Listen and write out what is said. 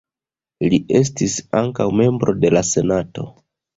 Li estis ankaŭ membro de la senato.